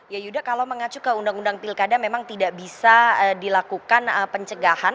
ya yuda kalau mengacu ke undang undang pilkada memang tidak bisa dilakukan pencegahan